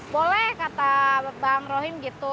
boleh kata bang rohim gitu